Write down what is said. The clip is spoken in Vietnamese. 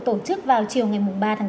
tổ chức vào chiều ngày ba tháng chín